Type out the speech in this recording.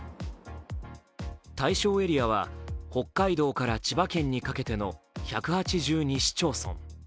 対象エリアは、北海道から千葉県にかけての１８２市町村。